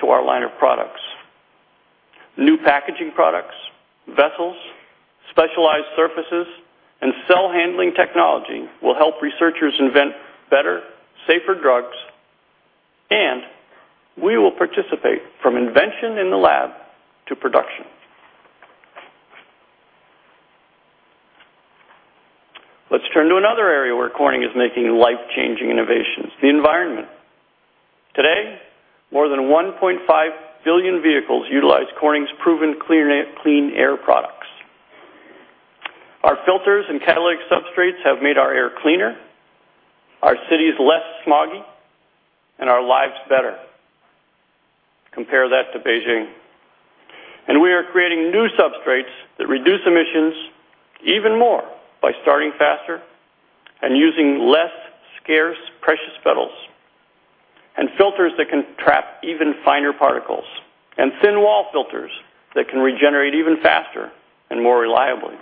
to our line of products. New packaging products, vessels, specialized surfaces, and cell handling technology will help researchers invent better, safer drugs, and we will participate from invention in the lab to production. Let's turn to another area where Corning is making life-changing innovations, the environment. Today, more than 1.5 billion vehicles utilize Corning's proven clean air products. Our filters and catalytic substrates have made our air cleaner, our cities less smoggy, and our lives better. Compare that to Beijing. We are creating new substrates that reduce emissions even more by starting faster and using less scarce, precious metals and filters that can trap even finer particles, and thin wall filters that can regenerate even faster and more reliably.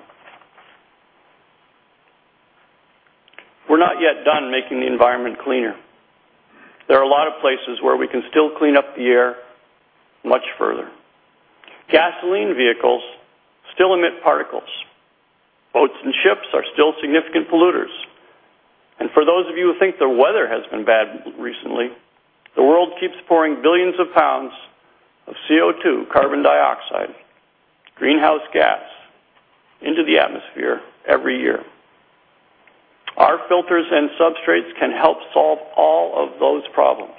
We're not yet done making the environment cleaner. There are a lot of places where we can still clean up the air much further. Gasoline vehicles still emit particles. Boats and ships are still significant polluters. For those of you who think the weather has been bad recently, the world keeps pouring billions of pounds of CO2, carbon dioxide, greenhouse gas, into the atmosphere every year. Our filters and substrates can help solve all of those problems,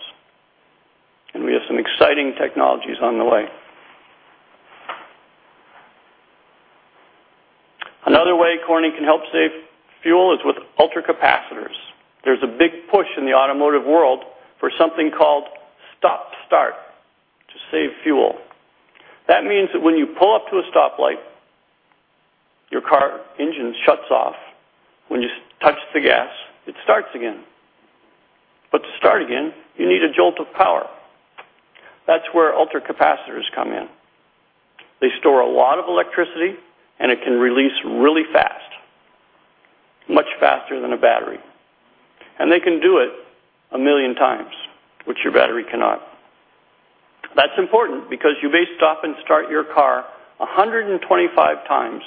and we have some exciting technologies on the way. Another way Corning can help save fuel is with ultracapacitors. There's a big push in the automotive world for something called stop-start to save fuel. That means that when you pull up to a stoplight, your car engine shuts off. When you touch the gas, it starts again. To start again, you need a jolt of power. That's where ultracapacitors come in. They store a lot of electricity, and it can release really fast, much faster than a battery. They can do it 1 million times, which your battery cannot. That's important because you may stop and start your car 125 times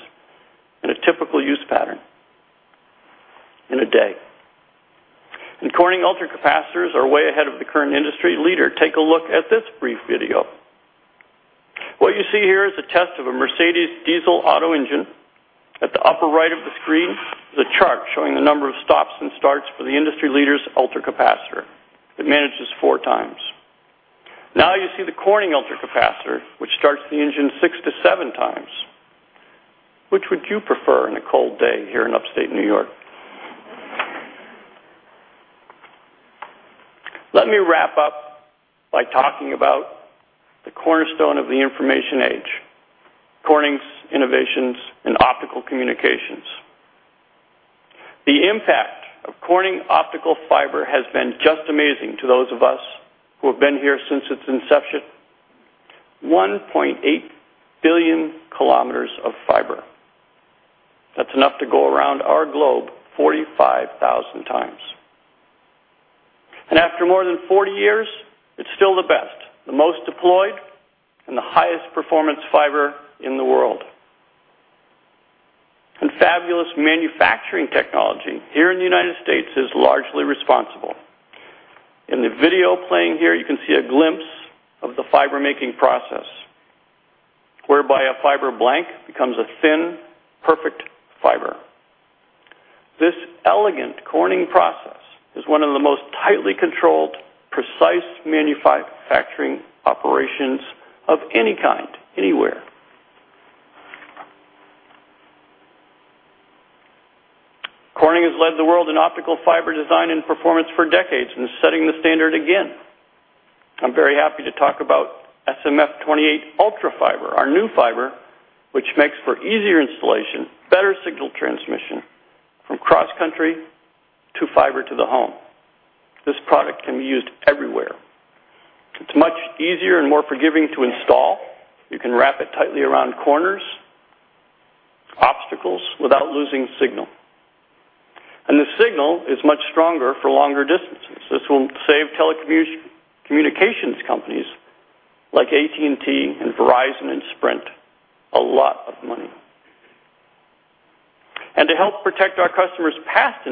in a typical use pattern in a day. Corning ultracapacitors are way ahead of the current industry leader. Take a look at this brief video. What you see here is a test of a Mercedes diesel auto engine. At the upper right of the screen is a chart showing the number of stops and starts for the industry leader's ultracapacitor. It manages four times. Now you see the Corning ultracapacitor, which starts the engine six to seven times. Which would you prefer on a cold day here in Upstate New York? Let me wrap up by talking about the cornerstone of the information age, Corning's innovations in optical communications. The impact of Corning optical fiber has been just amazing to those of us who have been here since its inception. 1.8 billion kilometers of fiber. That's enough to go around our globe 45,000 times. After more than 40 years, it's still the best, the most deployed, and the highest performance fiber in the world. Fabulous manufacturing technology here in the U.S. is largely responsible. In the video playing here, you can see a glimpse of the fiber-making process, whereby a fiber blank becomes a thin, perfect fiber. This elegant Corning process is one of the most tightly controlled, precise manufacturing operations of any kind, anywhere. Corning has led the world in optical fiber design and performance for decades and is setting the standard again. I'm very happy to talk about SMF-28 Ultra Fiber, our new fiber, which makes for easier installation, better signal transmission from cross-country to fiber-to-the-home. This product can be used everywhere. It's much easier and more forgiving to install. You can wrap it tightly around corners, obstacles without losing signal. The signal is much stronger for longer distances. This will save telecommunications companies like AT&T and Verizon and Sprint a lot of money. To help protect our customers' past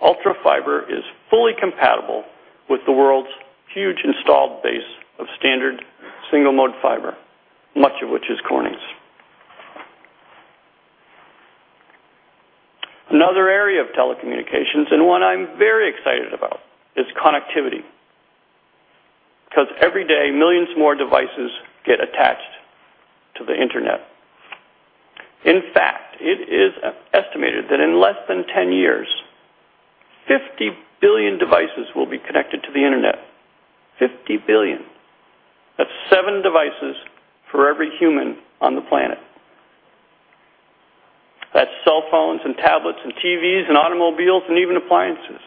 investments, Ultra Fiber is fully compatible with the world's huge installed base of standard single-mode fiber, much of which is Corning's. Another area of telecommunications, and one I'm very excited about, is connectivity. Every day, millions more devices get attached to the internet. In fact, it is estimated that in less than 10 years, 50 billion devices will be connected to the internet. 50 billion. That's seven devices for every human on the planet. That's cell phones and tablets and TVs and automobiles and even appliances.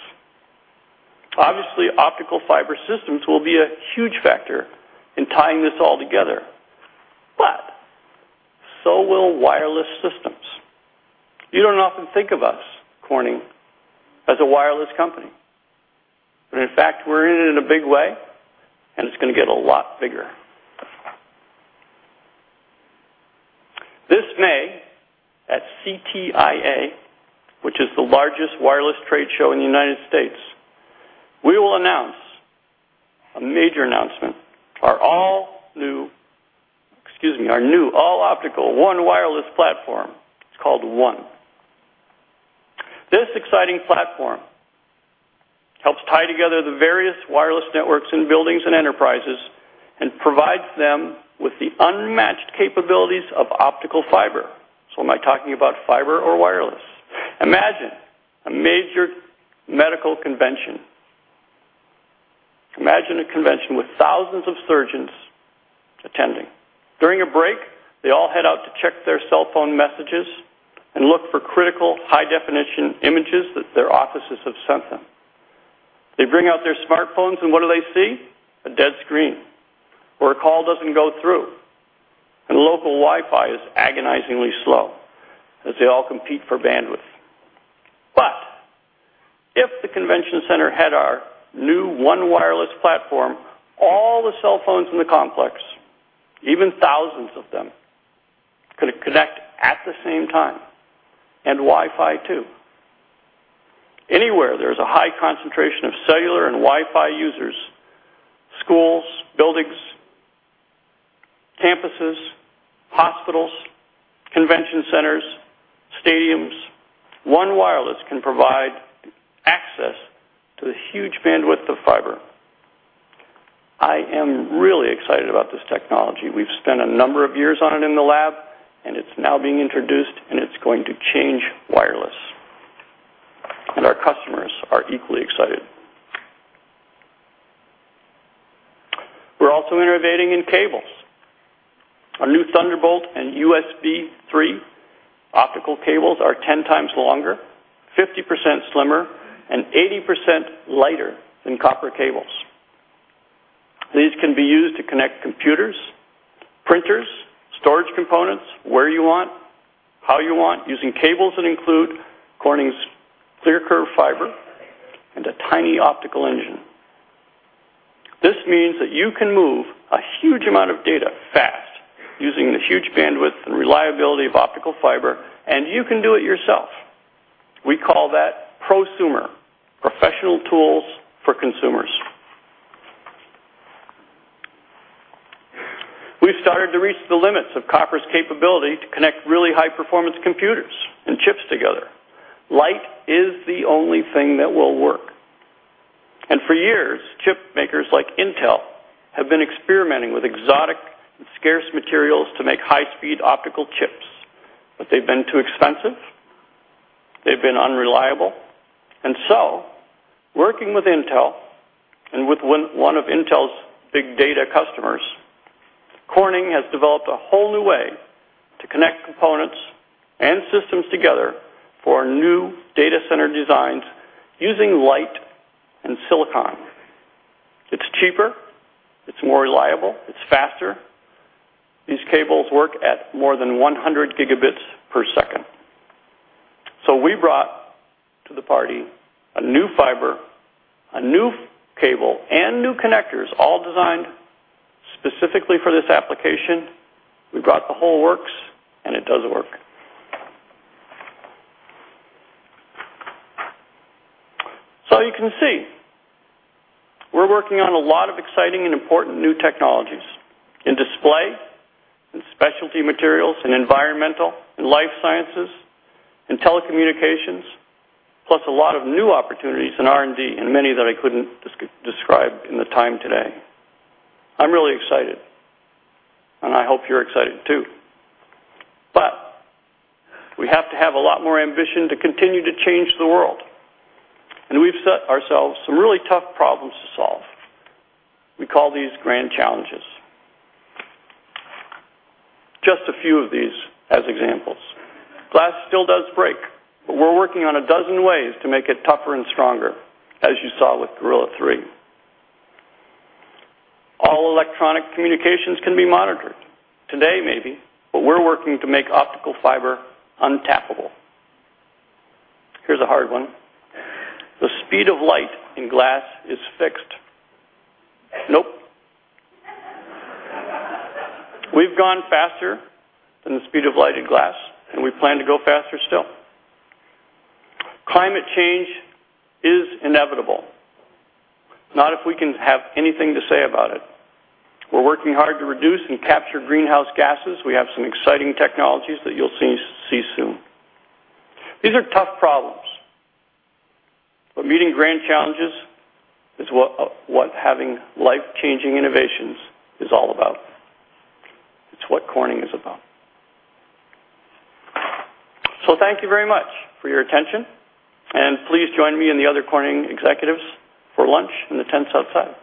Obviously, optical fiber systems will be a huge factor in tying this all together, but so will wireless systems. You don't often think of us, Corning, as a wireless company, but in fact, we're in it in a big way and it's going to get a lot bigger. This May, at CTIA, which is the largest wireless trade show in the U.S., we will announce a major announcement, our new all optical ONE Wireless Platform. It's called ONE. This exciting platform helps tie together the various wireless networks in buildings and enterprises, and provides them with the unmatched capabilities of optical fiber. Am I talking about fiber or wireless? Imagine a major medical convention. Imagine a convention with thousands of surgeons attending. During a break, they all head out to check their cell phone messages and look for critical high definition images that their offices have sent them. They bring out their smartphones and what do they see? A dead screen, or a call doesn't go through, and local Wi-Fi is agonizingly slow as they all compete for bandwidth. If the convention center had our new ONE Wireless Platform, all the cell phones in the complex, even thousands of them, could connect at the same time, and Wi-Fi too. Anywhere there's a high concentration of cellular and Wi-Fi users, schools, buildings, campuses, hospitals, convention centers, stadiums, ONE Wireless can provide access to the huge bandwidth of fiber. I am really excited about this technology. We've spent a number of years on it in the lab, and it's now being introduced and it's going to change wireless. Our customers are equally excited. We're also innovating in cables. Our new Thunderbolt and USB3 optical cables are 10 times longer, 50% slimmer, and 80% lighter than copper cables. These can be used to connect computers, printers, storage components where you want, how you want, using cables that include Corning's ClearCurve fiber and a tiny optical engine. This means that you can move a huge amount of data fast using the huge bandwidth and reliability of optical fiber, and you can do it yourself. We call that prosumer. Professional tools for consumers. We've started to reach the limits of copper's capability to connect really high performance computers and chips together. Light is the only thing that will work. For years, chip makers like Intel have been experimenting with exotic and scarce materials to make high speed optical chips, but they've been too expensive, they've been unreliable. Working with Intel and with one of Intel's big data customers, Corning has developed a whole new way to connect components and systems together for new data center designs using light and silicon. It's cheaper, it's more reliable, it's faster. These cables work at more than 100 gigabits per second. We brought to the party a new fiber, a new cable, and new connectors, all designed specifically for this application. We brought the whole works, and it does work. You can see we're working on a lot of exciting and important new technologies in display, in specialty materials, in environmental, in life sciences, in telecommunications, plus a lot of new opportunities in R&D and many that I couldn't describe in the time today. I'm really excited, and I hope you're excited too. We have to have a lot more ambition to continue to change the world, and we've set ourselves some really tough problems to solve. We call these grand challenges. Just a few of these as examples. Glass still does break, but we're working on a dozen ways to make it tougher and stronger, as you saw with Gorilla Glass 3. All electronic communications can be monitored. Today maybe, we're working to make optical fiber untappable. Here's a hard one. The speed of light in glass is fixed. Nope. We've gone faster than the speed of light in glass, and we plan to go faster still. Climate change is inevitable. Not if we can have anything to say about it. We're working hard to reduce and capture greenhouse gases. We have some exciting technologies that you'll see soon. These are tough problems, meeting grand challenges is what having life-changing innovations is all about. It's what Corning is about. Thank you very much for your attention, and please join me and the other Corning executives for lunch in the tents outside.